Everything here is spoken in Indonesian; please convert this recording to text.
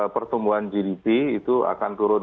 pertumbuhan gdp itu akan turun